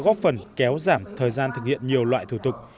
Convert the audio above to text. các doanh nghiệp cũng kéo giảm thời gian thực hiện nhiều loại thủ tục